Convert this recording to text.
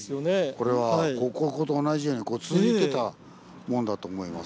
これはここと同じようにこう続いてたもんだと思います。